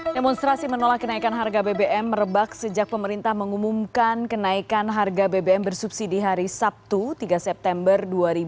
demonstrasi menolak kenaikan harga bbm merebak sejak pemerintah mengumumkan kenaikan harga bbm bersubsidi hari sabtu tiga september dua ribu dua puluh